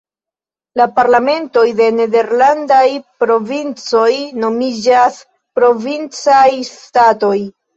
La parlamentoj de nederlandaj provincoj nomiĝas "Provincaj Statoj".